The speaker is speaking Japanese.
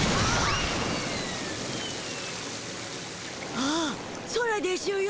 ああ空でしゅよ。